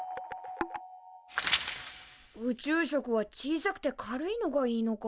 宇宙食は小さくて軽いのがいいのか。